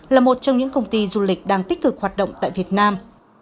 là một trong những công ty du lịch đang tích cực hoạt động tại việt nam